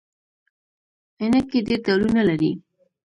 عینکي ډیر ډولونه لري